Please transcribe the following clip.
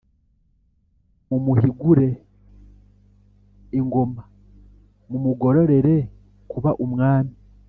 mumuhigure ingoma: mumugororere kuba umwami